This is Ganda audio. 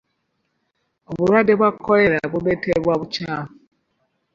Obulwadde bwa Kolera buleetebwa bukyafu.